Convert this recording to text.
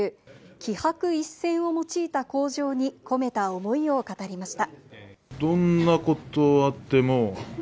気魄一閃を用いた口上に込めた思いを語りました。